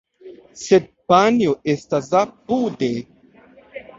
Sed panjo estas apude.